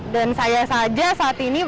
dan saya saja saat ini